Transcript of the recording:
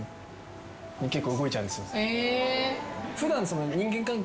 普段。